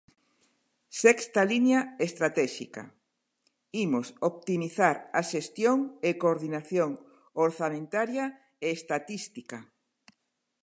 Sexta liña estratéxica: imos optimizar a xestión e coordinación orzamentaria e estatística.